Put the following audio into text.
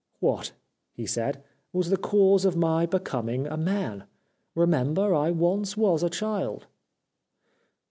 "' What/ he said, 'was the cause of my be coming a man ? Remember I once was a child.'